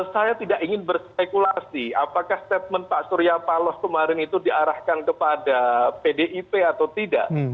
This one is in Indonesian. saya tidak ingin berspekulasi apakah statement pak surya paloh kemarin itu diarahkan kepada pdip atau tidak